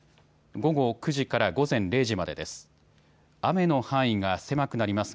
午後９時から午前０時までです。